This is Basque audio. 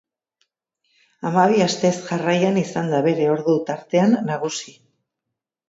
Hamabi astez jarraian izan da bere ordu tartean nagusi.